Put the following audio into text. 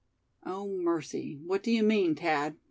"Oh! mercy, what do you mean, Thad?"